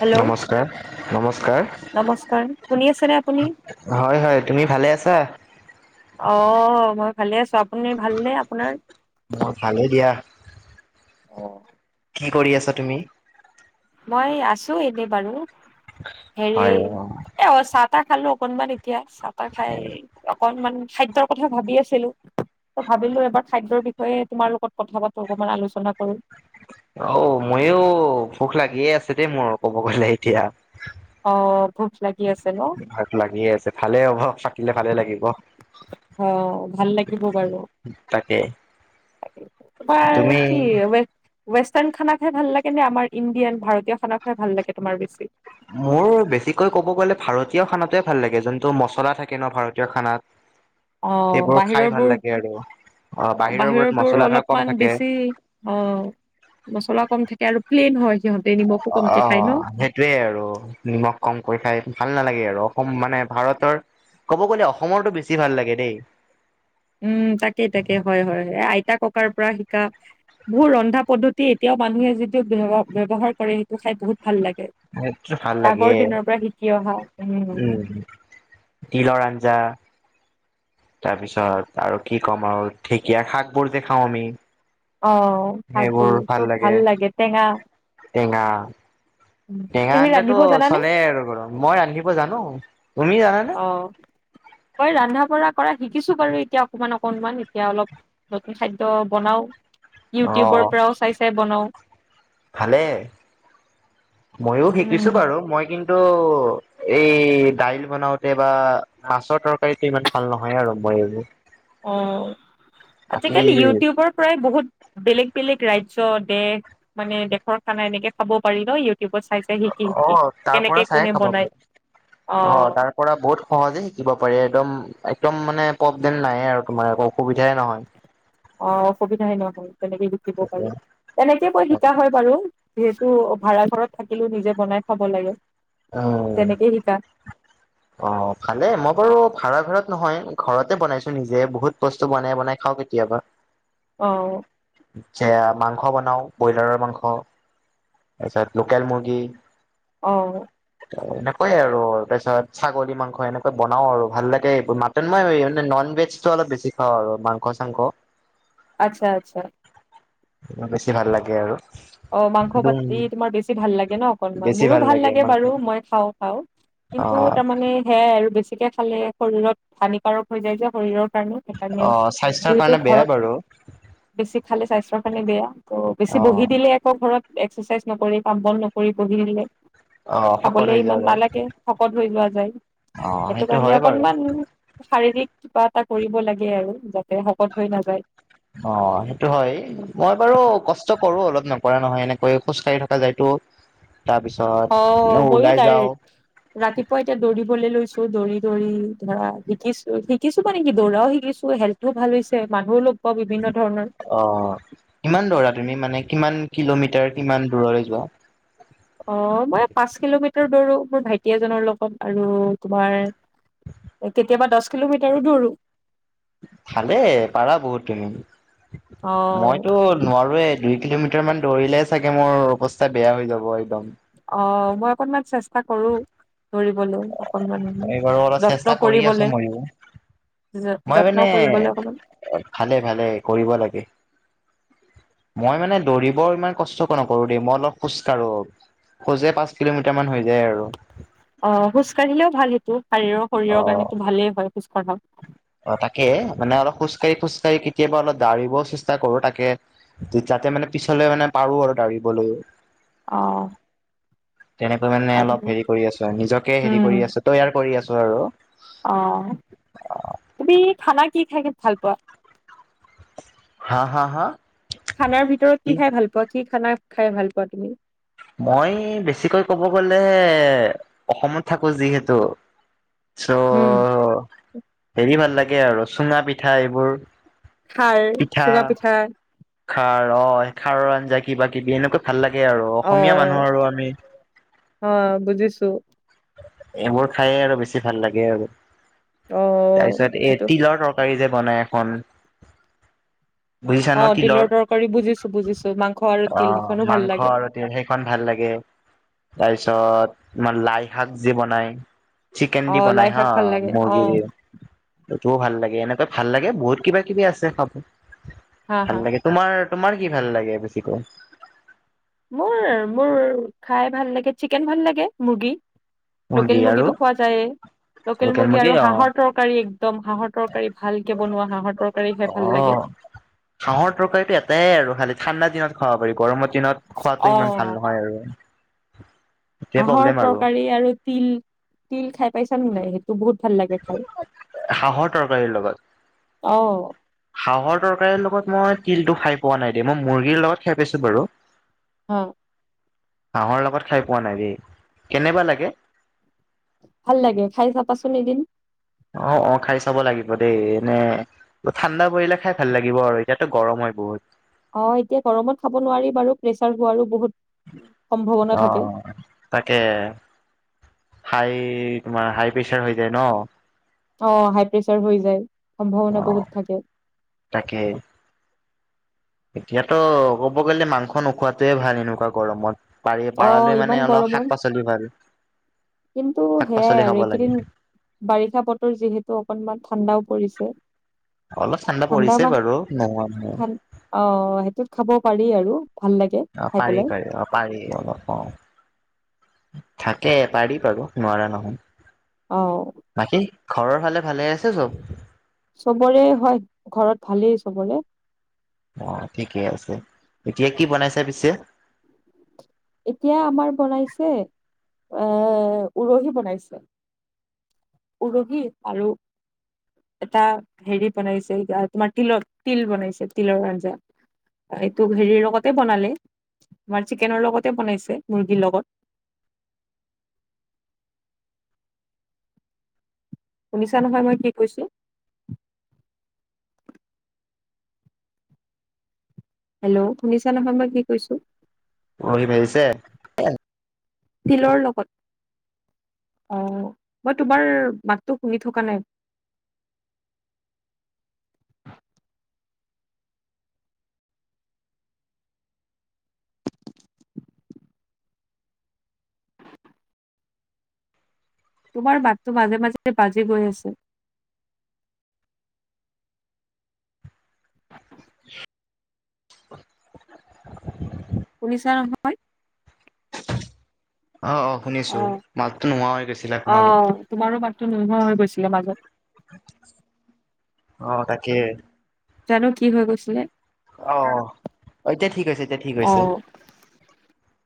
Hello নমস্কাৰ। নমস্কাৰ। নমস্কাৰ শুনি আছেনে আপুনি? হয়, হয় তুমি ভালে আছা? অহ, মই ভালে আছোঁ। আপুনি ভালনে, আপোনাৰ? অহ, ভালে দিয়া। অহ। কি কৰি আছা তুমি? মই আছোঁ এনেই বাৰু। হেৰি হয় এ অহ, চাহ-তাহ খালোঁ অকনমান এতিয়া, চাহ-তাহ খাই অকনমান খাদ্যৰ কথা ভাবি আছিলোঁ। ত' ভাবিলোঁ এবাৰ খাদ্যৰ বিষয়ে তোমাৰ লগত কথা পাতো, অকমান আলোচনা কৰোঁ। অহ, মইয়ো ভোক লাগিয়ে আছে দেই, মোৰ ক'ব গলে এতিয়া। অহ, ভোক লাগি আছে ন'। ভোক লাগিয়ে আছে, ভালে হ'ব থাকিলে ভালে লাগিব। অহ, ভাল লাগিব বাৰু। তাকে। তোমাৰ তুমি কি? [unintelligible] ৱেষ্টাৰ্ণ খানা খাই ভাল লাগে নে, আমাৰ ইণ্ডিয়ান ভাৰতীয় খানা খাই ভাল লাগে তোমাৰ বেছি? মোৰ বেছিকৈ ক'ব গ'লে ভাৰতীয় খানাতোৱে ভাল লাগে, যোনটো মছলা থাকে ন' ভাৰতীয় খানাত। [inaudible] অহ, সেইবোৰ খাই ভাল বাহিৰৰবোৰ, লাগে আৰু অ বাহিৰবোৰত বাহিৰৰবোৰ মছলা ধৰা কম অলপমান থাকে বেছি অহ, মছলা কম থাকে আৰু প্লেইন হয়। সিহঁতে নি অহ', অহ' সেই সেইটোৱে আৰু নিমখ কমকৈ খায়, ভাল নালাগে আৰু। অসম মানে ভাৰতৰ ক'ব গ'লে অসমৰতটো বেছি ভাল লাগে দেই। উম, তাকে তাকে হয়, হয়, এ আইতা ককাৰ পৰা শিকা। বহুত ৰন্ধা পদ্ধতি এতিয়াও মানুহে যিটো ব্যৱহাৰ কৰে সেইটো খাই বহুত ভাল লাগে। সেইটো ভাল লাগে আগৰ দিনৰ পৰা শিকি অহা উম, তিলৰ আঞ্জা তাৰপিছত আৰু কি ক'ম আৰু ঢেঁকীয়া শাকবোৰ যে খাওঁ আমি অ', শাকবোৰ সেইবোৰ ভাল চব লাগে টেঙা টেঙা টেঙা তুমি আঞ্জাটো ৰান্ধিব জানানে? চলে আৰু বাৰু মই ৰান্ধিব জানো তুমি জানানে? অ', মই ৰন্ধা বঢ়া কৰা শিকিছো বাৰু এতিয়া অকমান অকনমান এতিয়া অলপ নতুন খাদ্য বনাও। ইউটিউবৰ অ', পৰাও চাই চাই বনাওঁ। ভালে ময়ো শিকিছো বাৰু মই কিন্তু টো এই দাইল বনাওতে বা মাছৰ তৰকাৰীটো ইমান ভাল নহয় আৰু মই এইবোৰ অ', বাকী আজিকালি ইউটিউবৰ পৰাই বহুত বেলেগ বেলেগ ৰাজ্য দেশ মানে দেশৰ খানা এনেকে খাব পাৰি ন' ইউটিউবত চাই চাই শিকি অ শিকি তাৰ পৰা কেনেকে চাই কোনে খাব পাৰি বনায় অ', পৰা বহুত সহজে শিকিব পাৰে, একদম একদম মানে পব দেন নাই আৰু তোমাৰ একো অসুবিধাই নহয়। [inaudible] অ', অসুবিধায়ে নহয় তেনেকৈ শিকিব পাৰি, তেনেকে বৈ শিকা হয় বাৰু। যিহেতু ভাড়া ঘৰত থাকিলেও নিজে বনাই খাব লাগে। অ', তেনেকেই শিকা অ', ভালে মই বাৰু ভাড়া ভৰত নহয় ঘৰতে বনাইছো নিজে বহুত বস্তু বনাই বনাই খাওঁ কেতিয়াবা। অ', যা মাংস বনাও ব্ৰইলাৰৰ মাংস। তাৰপিছত লোকেল মুৰ্গি অ', ত' এনেকৈ আৰু তাৰপিছত ছাগলী মাংস এনেকে বনাও আৰু ভাল লাগে এইবোৰ মই ন'ন ভেজটো অলপ বেছি খাওঁ আৰু মাংস চাংস। আচ্ছা, আচ্ছা। মোৰ বেছি ভাল লাগে আৰু। অ', মাংস একদম পাতি তোমাৰ বেছি ভাল লাগে ন' অকনমান মোৰো ভাল লাগে বাৰু মই খাওঁ খাওঁ। কিন্তু অ', তাৰমানে সেয়াই আৰু বেছিকে খালে শৰীৰত হানিকাৰক হৈ যায় যে শৰীৰৰ কাৰণে সেইকাৰণে অ', স্বাস্থ্যৰ যিহেতু কাৰণে বেয়া ঘৰত বাৰু বেছি খালে স্বাস্থ্যৰ কাৰণে বেয়া ত' বেছি বহি অ', দিলে আকৌ ঘৰত এক্সাৰচাইজ নকৰি কাম বন নকৰি বহি দিলে অ', শকত খাবলে হৈ যোৱা ইমান যায় নালাগে। শকত হৈ যোৱা যায় অ', সেইটো কাৰণে হয় বাৰু অকনমান শাৰীৰিক কিবা এটা কৰিব লাগে আৰু যাতে শকত হৈ নাযায়। অ', সেইটো হয় মই বাৰু কষ্ট কৰো অলপ নকৰা নহয় এনেকৈ খোজ কাঢ়ি থকা যায়তো অ তাৰপিছত মই ময়ো ওলাই ডাই যাওঁ। ৰাতিপুৱা এতিয়া দৌৰিবলৈ লৈছো দৌৰি দৌৰি ধৰা শিকিছোঁ, শিকিছোঁ মানে কি দৌৰাও শিকিছোঁ হেল টো ভাল হৈছে মানুহ লগ পাওঁ বিভিন্ন ধৰণৰ। অ', কিমান দৌৰা তুমি মানে কিমান কিলোমিটাৰ কিমান দূৰলৈ যোৱা? অ', মই পাঁচ কিলোমিটাৰ দৌৰো মোৰ ভাইটি এজনৰ লগত আৰু তোমাৰ কেতিয়াবা দশ কিলোমিটাৰো দৌৰো। ভালে পাৰা বহুত তুমি অ মইতো নোৱাৰোয়ে দুই কিলোমিটাৰ মিটাৰ মান দৌৰিলে চাগে মোৰ অৱস্থা বেয়া হৈ যাব একদম। অ', মই অকনমান চেষ্টা কৰো দৌৰিবলৈ। অকমানান এই বাৰু অলপ চেষ্টা যত্ন কৰি আছো কৰিবলে ময়ো মই যত্ন মানে কৰিবলে অকমান ভালে, ভালে কৰিব লাগে। মই মানে দৌৰিব ইমান কষ্টক নকৰো দেই মই অলপ খোজ কাঢ়ো। খোজ পাঁচ কিলোমিটাৰ মান হৈ যায় আৰু। অ', খোজ কঢ়িলেও ভাল সেইটো শাৰীৰৰ শৰীৰৰ অ'। কাৰণে তো ভালেই হয় খোজ কঢ়া অ', তাকে মানে অলপ খোজকাঢ়ি খোজকাঢ়ি কেতিয়াবা অলপ দাৰিবও চেষ্টা কৰো তাকে যাতে মানে পিছলে মানে পাৰো আৰু দা়ৰিবলৈ অ'। তেনেকৈ মানে আৰু অলপ হেৰি কৰি আছো নিজকে হেৰি উম কৰি আছো তো ইয়াৰ কৰি আছো আৰু অ', তুমি খানা কি খাই ভাল পোৱা। হা, হা, হা। খানাৰ ভিতৰত কি খাই ভাল পোৱা কি খানা খাই ভাল পোৱা তুমি? মই বেছিকৈ ক'ব গ'লে অসমত থাকো যিহেতু আছো। উম। ত' হেৰি ভাল লাগে আৰু চুঙা পিঠা এইবোৰ খাৰ চুগা পিঠা খাৰ অ', খাৰৰ আঞ্জা কিবা কিবি এনেকুৱা ভাল লাগে আৰু অসমীয়া অ', মানুহ আৰু আমি অ', বুজিছোঁ। এইবোৰ খায়ে আৰু বেছি ভাল লাগে আৰু অ', তাৰপিছত এই সেইটো তিলৰ তৰকাৰ তৰকাৰী যে বনাই এখন বুজিছা ন অ', তিলৰ তৰকাৰী বুজিছোঁ, বুজিছোঁ মাংস আৰু অ তিল সিখনো ভাল মাংস লাগে। আৰু সেইখন ভাল লাগে তাৰপিছত তোমাৰ লাই শাক যে বনাই চিকেন দি অ', লাই বনায় হা শাক ভাল লাগে অ', মূৰ্গীৰে সেইটো ভাল লাগে এনেকৈ ভাল লাগে বহুত কিবা কিবি আছে খাব হা ভাল হা। লাগে তোমাৰ তোমাৰ কি ভাল লাগে বেছিকৈ। মোৰ, মোৰ খাই ভাল লাগে চিকেন ভাল লাগে মুৰ্গী। লোকেল মুৰ্গী আৰু মুৰ্গীটো খোৱা যায় লোকেল মুৰ্গী আৰু হাঁহৰ তৰকাৰ তৰকাৰী একদম হাঁহৰ তৰকাৰী ভালকে বনোৱা হাঁহৰ তৰকাৰী খাই ভাল লাগে। অ', হাঁহৰ তৰকাৰীটো এটাই আৰু খালি ঠাণ্ডা দিনত খাব পাৰি গৰমৰ দিনত খোৱাতটো ইমান অ'। ভাল নহয় আৰু এতিয়া হাঁহৰ প্ৰব্লেম আৰু তৰকাৰী তিল, তিল খাই পাইছা নাই? তোৰ বহুত ভাল লাগে খাল হাঁহৰ তৰকাৰীৰ লগত অ'। হাঁহৰ তৰকাৰীৰ লগত মই তিলটো খাই পোৱা নাই দ মই মুৰ্গীৰ লগত খাই পাইছো বাৰু। অ'। হাঁহৰ লগত খাই পোৱা নাই দেই কেনেবা লাগে। ভাল লাগে খাই চাবাচোন এদিন। অ', অ', খাই চাব লাগিব দেই এনে ঠাণ্ডা পৰিলে খাই ভাল লাগিব আৰু এতিয়াতো গৰম হয় বহুত। অ', এতিয়া গৰমত খাব নোৱাৰি বাৰু প্ৰেছাৰ হোৱা আৰু বহুত। সম্ভৱ অ'। তাকে হাই তোমাৰ হাই প্ৰেচাৰ হৈ যায় ন অ', হাই প্ৰেছাৰ হৈ যায় অ সম্ভাৱনা বহুত থাকে। তাকে। এতিয়াতো ক'ব গ'লে মাংস নোখোৱাতোৱে ভাল এনেকুৱা গৰমত। পাৰি অ পাৰালৈ ইমান মানে অলপ গৰমত শাক পাচলি ভাল কিন্তু শাক সেয়াই পাচলি আৰু খাব লাগে। এইকেইদিন বাৰিষা বতৰ যিহেতু অকনমান ঠাণ্ডাও পৰিছে। অলপ ঠাণ্ডা পৰিছে বাৰু নোহোৱা নহয়। ঠান অ', সেইটোত খাব পাৰি আৰু ভাল লাগে। অ', খাই পাৰি, পেলাই পাৰি অ'। পাৰি অলপ অ'। থাকে পাৰি বাৰু নোৱাৰা নহয়। অ'। বাকী ঘৰৰ ফালে ভালে আছে চব? চবৰে হয়, ঘৰত ভালেই চবৰে। অ' ঠিকে আছে। এতিয়া কি বনাইছা পিছে? এতিয়া আমাৰ বনাইছে এ, উৰহি বনাইছে। উৰহি আৰু এটা হেৰি বনাইছে তোমাৰ তিলৰ, তিল বনাইছে তিলৰ আঞ্জা। এইটো হেৰিৰ লগতে বনালে তোমাৰ চিকেনৰ লগতে বনাইছে, মুৰ্গীৰ লগত। শুনিছা নহয় মই কি কৈছোঁ? হেল্ল' শুনিছা নহয় মই কি কৈছোঁ? উৰহী ভাজিছে? তিলৰ লগত। অ' মই তোমাৰ মাতটো শুনি থকা নাই। তোমাৰ মাতটো মাজে মাজে বাজি গৈ আছে। শুনিছা নহয়? অ', অ' শুনিছোঁ, মাতটো নোহোৱা হৈ গৈছিলে অ মাজত। তোমাৰো মাতটো নোহোৱা হৈ গৈছিলে মাজত অ' তাকে। জানো কি হৈ গৈছিলে। অ' এতিয়া ঠিক হৈছে, এতিয়া ঠিক হৈছে। [inaudible]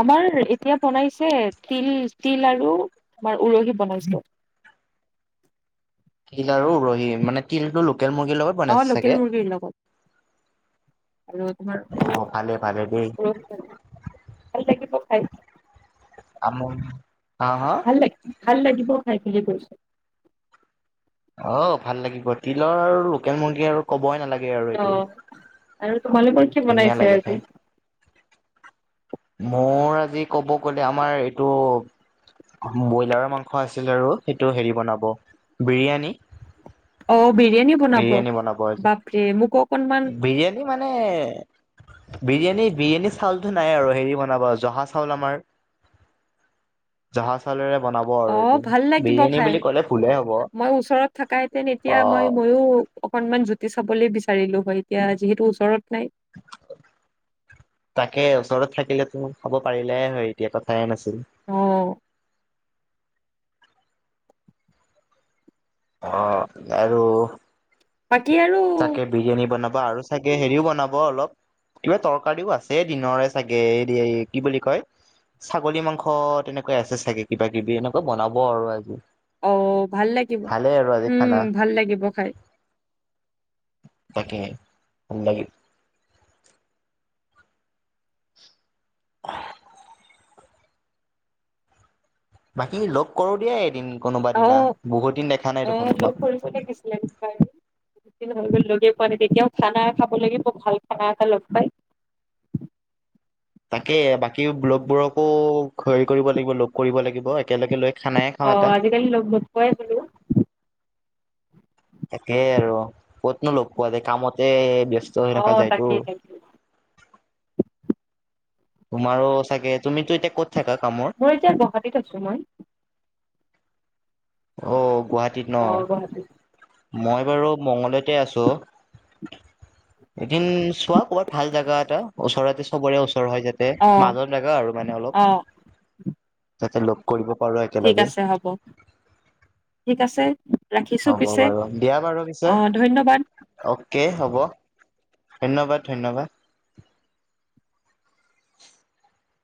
আমাৰ এতিয়া বনাইছে তিল, তিল আৰু আমাৰ উৰহি বনাইছে। তিল আৰু উৰহি, মানে তিলটো লোকেল মুৰ্গীৰ লগত। অ' বনাইছে লোকেল চাগে? মুৰ্গীৰ লগত। আৰু তোমাৰ অ' ভালে ভালে [unintelligible] দেই ভাল লাগিব খাই। আমন হা, হা? ভাল ভাল লাগিব খাই বুলি কৈছোঁ। অ' ভাল লাগিব। তিলৰ আৰু লোকেল মুৰ্গী আৰু ক'বই নালাগে আৰু অ এইটো, আৰু তোমালোকৰ কি ধুনীয়া বনাইছে লাগে আজি খাই। মোৰ আজি ক'ব গ'লে আমাৰ এইটো ব্ৰইলাৰৰ মাংস আছিল আৰু সেইটো হেৰি বনাব বিৰিয়ানী। অ' বিৰিয়ানী বনাব বিৰিয়ানী বনাব বাপৰে, মোকো অকনমান হে, মানে বিৰিয়ানী বিৰিয়ানী চাউলতো নাই আৰু হেৰি বনাব জহা চাউল আমাৰ [unintelligible] জহা চাউলেৰে বনাব আৰু অ এইটো। ভাল লাগিব বিৰিয়ানী বুলি কলে ভুলে হ'ব। থাকাইতেন তেতিয়া মই অ' ময়ো অকনমান জুতি চাবলে বিচাৰিলো হয়, এতিয়া যিহেতু ওচৰত নাই। তাকে, ওচৰত থাকিলেতো খব পাৰিলে হয়, এতিয়া কথাই নাছিল। অ'। অ' আৰু বাকী আৰু চাগে বিৰিয়ানী বনাব আৰু চাগে হেৰিও বনাব অলপ কিবা তৰকাৰীও আছে দিনৰে চাগে, কি বুলি কয় ছাগলী মাংস তেনেকোৱা আছে চাগে কিবা কিবি, এনেকৈ বনাব আৰু আজি। অ' ভাল লাগিব। ভালে আৰু আজি উম, খানা ভাল লাগিব খাই। তাকে, ভাল লাগিব। [inaudible] বাকী লগ কৰো দিয়া এদিন কোনোবা দিনা, বহুত দিন দেখা নাই দেখোন তোমাক। কোনে কৈছিল লগ পাই আৰু? লগে পোৱা নাই, তেতিয়াও খানা খাব লাগে ভাল খানা এটা লৈ পেলাই। তাকে বাকী ব্লগবোৰকো হেৰি কৰিব লাগিব লগ কৰিব লাগিব একেলগে লৈ খানাই খাওঁ অ', এটা। আজিকালি লগ বত কাইছিলো [unintelligible] তাকেই আৰু কতনো লগ পোৱা যায়, কামতে ব্যস্ত হৈ ৰখা অ', যায়টো। তাকেই তাকেই তোমাৰো চাগে, তুমিতো এতিয়া ক'ত থাকা কামৰ? মই এতিয়া গুৱাহাটীত আছো মই। অ', গুৱাহাটীত ন, অ', গুৱাহাটীত। মই বাৰু মংগলদৈতে আছো। এদিন চোৱা ক'ৰবাত ভাল জেগা এটা ওচৰতে চবৰে ওচৰ হয় যা া অ', মাজৰ জেগা আৰু মানে অ', অলপ তাতে লগ কৰিব পাৰো ঠিক একেলগে। আছে হ'ব। ঠিক আছে, ৰাখিছো হ'ব পিছে, বাৰু দিয়া বাৰু পিছে আহ ধন্যবাদ। অ'কে হ'ব, ধন্যবাদ ধন্যবাদ।